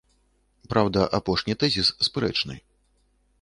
Праўда, апошні тэзіс спрэчны.